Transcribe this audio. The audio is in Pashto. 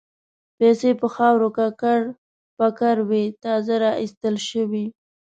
پیسې په خاورو ککړ پکر وې تازه را ایستل شوې.